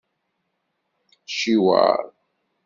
Ciweṛ.